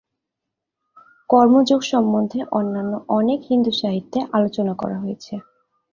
কর্ম যোগ সম্বন্ধে অন্যান্য অনেক হিন্দু সাহিত্যে আলোচনা করা হয়েছে।